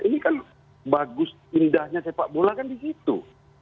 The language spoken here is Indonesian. ini kan bagus indahnya sepak bola kan di situ